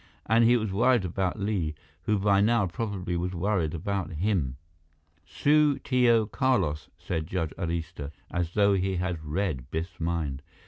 And he was worried about Li, who by now probably was worried about him. "Su Tio Carlos," said Judge Arista, as though he had read Biff's mind.